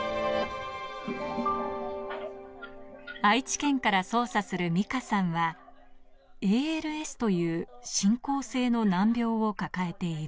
愛知県から操作するミカさんは、ＡＬＳという進行性の難病を抱えている。